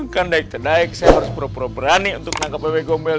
kan daik terdaik saya harus pro pro berani untuk nangkap wb gombel